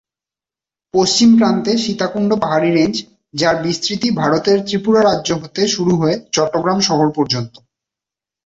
পশ্চিম প্রান্তে সীতাকুণ্ড পাহাড়ী রেঞ্জ, যার বিস্তৃতি ভারতের ত্রিপুরা রাজ্য হতে শুরু হয়ে চট্টগ্রাম শহর পর্য্যন্ত।